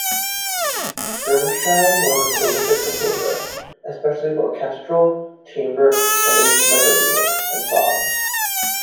Gernsheim was a prolific composer, especially of orchestral, chamber and instrumental music, and songs.